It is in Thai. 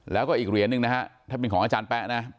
แล้วก็อีกเหรียญหนึ่งนะฮะถ้าเป็นของอาจารย์แป๊ะนะ